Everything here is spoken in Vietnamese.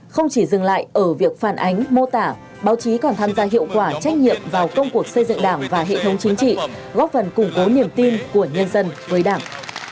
không chỉ dừng lại ở việc phản ánh mô tả báo chí còn tham gia hiệu quả trách nhiệm vào công cuộc xây dựng đảng và hệ thống chính trị góp phần củng cố niềm tin của nhân dân với đảng